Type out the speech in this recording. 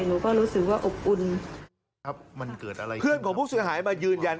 หนูก็รู้สึกว่าอบอุ่นครับมันเกิดอะไรขึ้นเพื่อนของผู้เสียหายมายืนยัน